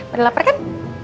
udah lapar kan